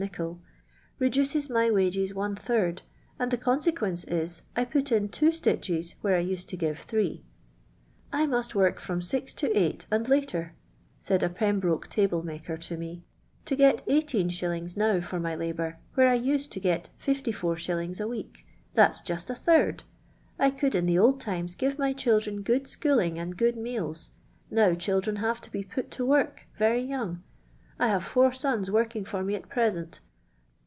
Nicoll, "reduces my wages one third, and the con sequt nce is, I put in two stitches where I used to givr three." " I must work from six to eight, and later," ffuid a pembroke table mjiker to me, " to gc?t 1 y*. now for m\' labt>ur, where I used to get 5l.t. a week— that's just a third. I could in the old times give my children good schooling and good meals. Now children have to be put to wt»rk very young. 1 have four sons working for me at present.